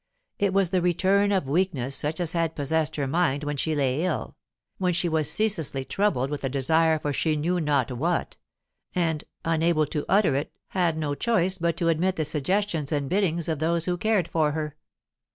It was the return of weakness such as had possessed her mind when she lay ill, when she was ceaselessly troubled with a desire for she knew not what, and, unable to utter it had no choice but to admit the suggestions and biddings of those who cared for her.